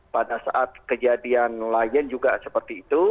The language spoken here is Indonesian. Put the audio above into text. pada saat kejadian lion juga seperti itu